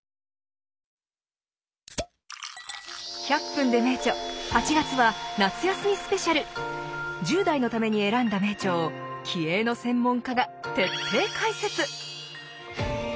「１００分ｄｅ名著」８月は１０代のために選んだ名著を気鋭の専門家が徹底解説！